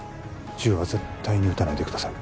銃は絶対に撃たないでください